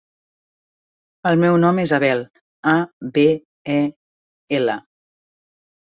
El meu nom és Abel: a, be, e, ela.